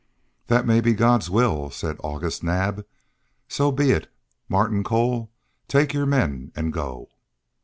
"That may be God's will," said August Naab. "So be it. Martin Cole, take your men and go."